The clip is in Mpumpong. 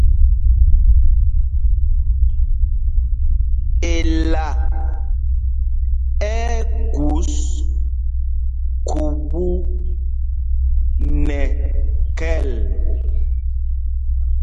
Ela ɛ́ ɛ́ gus khubú nɛ khɛl.